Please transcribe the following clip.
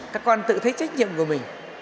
các con tự thấy trách nhiệm của mình